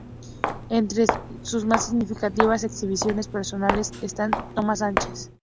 Entre sus más significativas exhibiciones personales están: Tomás Sánchez.